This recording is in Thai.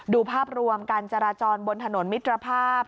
ดูภาพรวมการจราจรบนถนนมิตรภาพ